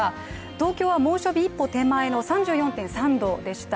東京は猛暑日一歩手前の３４．３度でした。